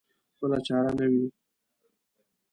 بله چاره نه وه.